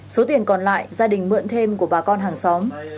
số tiền còn lại gia đình mượn thêm của bà con hàng xóm